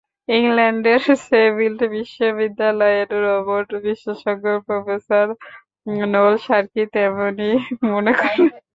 ইংল্যান্ডের শেফিল্ড বিশ্ববিদ্যালয়ের রোবট বিশেষজ্ঞ প্রফেসর নোল শার্কি তেমনটিই মনে করেন।